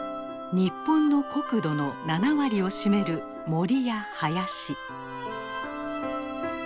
日本の国土の７割を占める森や林。